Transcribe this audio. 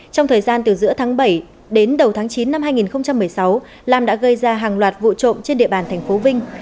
trong thời gian từ giữa tháng bảy đến đầu tháng chín năm hai nghìn một mươi sáu lam đã gây ra hàng loạt vụ trộm trên địa bàn thành phố vinh